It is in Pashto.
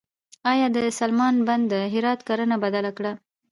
آیا د سلما بند د هرات کرنه بدله کړه؟